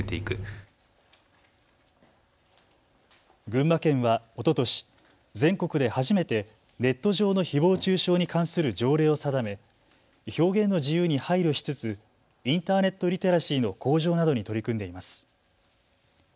群馬県はおととし全国で初めてネット上のひぼう中傷に関する条例を定め、表現の自由に配慮しつつインターネットリテラシーの向上などに取り組んでいます。